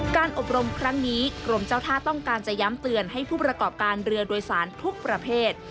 การอบรมครั้งนี้กรมเจ้าท่าต้องการจะย้ำเตือนให้ผู้ประกอบการเรือโดยสารทุกประเภท